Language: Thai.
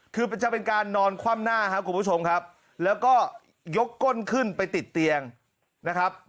คือจะเป็นการนอนคว่ำหน้าครับคุณผู้ชมครับแล้วก็ยกก้นขึ้นไปติดเตียงนะครับ